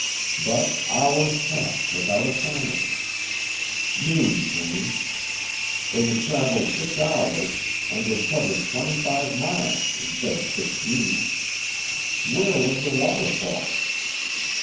But hours passed without a sign of it. Noon came. They had traveled six hours and had covered twenty five miles instead of fifteen! Where was the waterfall?